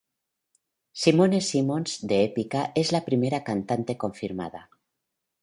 Simone Simons de Epica es la primera cantante confirmada.